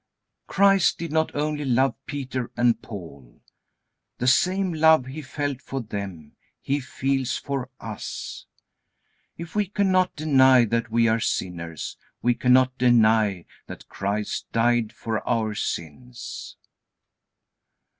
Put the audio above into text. Christ did not only love Peter and Paul. The same love He felt for them He feels for us. If we cannot deny that we are sinners, we cannot deny that Christ died for our sins.